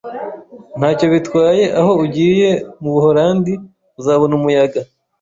Ntacyo bitwaye aho ugiye mubuholandi, uzabona umuyaga